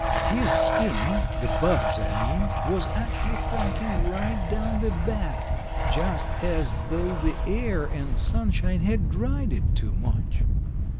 His skin (the bug's, I mean), was actually cracking right down the back, just as though the air and sunshine had dried it too much.